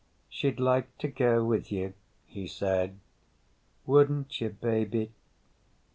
"She'd like to go with you," he said. "Wouldn't you, baby?"